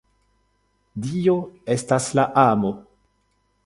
Dio estas la Amo.